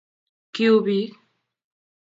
kiuu biik